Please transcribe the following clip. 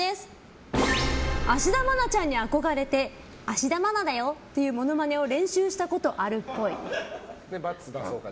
芦田愛菜ちゃんに憧れて芦田愛菜だよっていうモノマネを練習したことあるっぽい。×出そうか。